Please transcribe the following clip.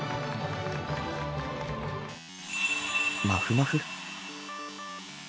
まふまふ？